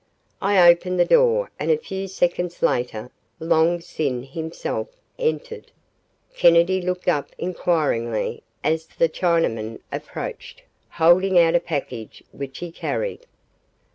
I opened the door and a few seconds later Long Sin himself entered. Kennedy looked up inquiringly as the Chinaman approached, holding out a package which he carried.